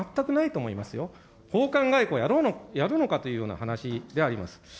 こういう考えで外交をやるのかという話であります。